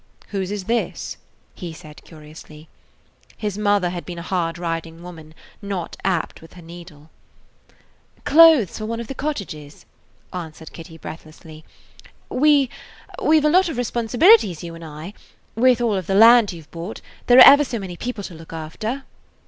"Whose is this?" he said curiously. His mother had been a hard riding woman, not apt with her needle. "Clothes for one of the cottages," answered Kitty, breathlessly. "We–we 've a lot of responsibilities, you and I. With [Page 56] all of the land you 've bought, there are ever so many people to look after."